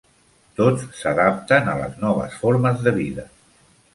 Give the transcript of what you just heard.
Tots s'adapten a les noves formes de vida.